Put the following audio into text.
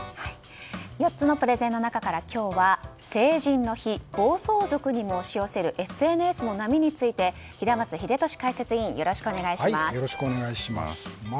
４つのプレゼンの中から今日は成人の日暴走族にも押し寄せるＳＮＳの波について平松秀敏解説委員よろしくお願いします。